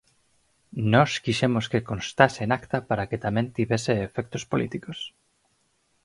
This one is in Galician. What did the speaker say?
Nós quixemos que constase en acta para que tamén tivese efectos políticos.